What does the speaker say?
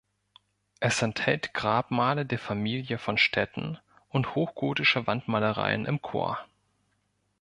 Es enthält Grabmale der Familie von Stetten und hochgotische Wandmalereien im Chor.